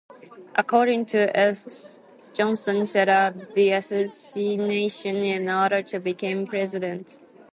According to Estes, Johnson set up the assassination in order to become president.